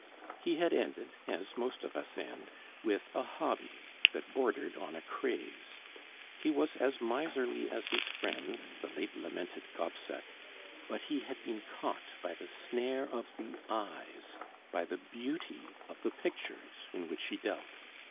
He had ended, as most of us end, with a hobby that bordered on a craze. He was as miserly as his friend, the late lamented Gobseck; but he had been caught by the snare of the eyes, by the beauty of the pictures in which he dealt.